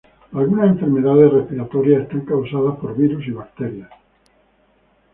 Algunas enfermedades respiratorias son causadas por virus y bacterias.